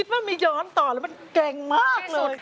ว่ามีย้อนต่อแล้วมันเก่งมากเลย